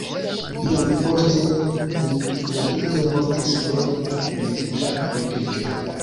Iom poste li tragike mortis pro la milita vundiĝo.